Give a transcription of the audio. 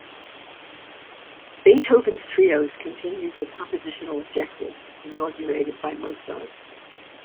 Beethoven's trios continued the compositional objectives inaugurated by Mozart.